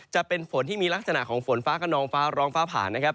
จะเป็นฝนที่มีลักษณะของฝนฟ้ากระนองฟ้าร้องฟ้าผ่านนะครับ